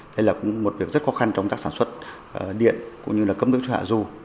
đây là một việc rất khó khăn trong tác sản xuất điện cũng như là cấm nước cho hạ du